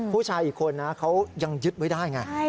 ผู้ชายอีกคนนะเขายังยึดไว้ได้ไง